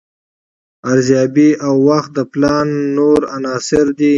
ارزیابي او وخت د پلان نور عناصر دي.